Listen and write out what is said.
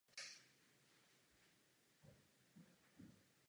Po válce Lockheed vyrobil několik slavných typů letadel.